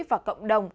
và cộng đồng